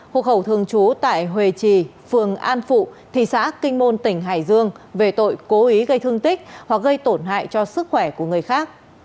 hộ khẩu thường trú tại huệ trì phường an phụ thị xã kinh môn tỉnh hải dương về tội cố ý gây thương tích hoặc gây tổn hại cho sức khỏe của người khác